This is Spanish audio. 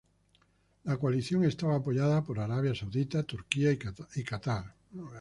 La coalición está apoyada por Arabia Saudita, Turquía y Catar.